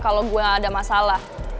kalau gue ada masalah